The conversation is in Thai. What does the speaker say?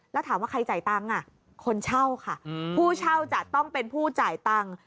แล้วถามว่าใครจ่ายตังค์คนเช่าค่ะผู้เช่าจะต้องเป็นผู้จ่ายตังค์